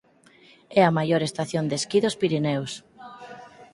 É a maior estación de esquí dos Pireneos.